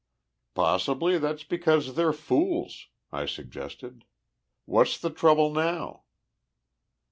"Possibly that's because they're fools," I suggested. "What's the trouble now?"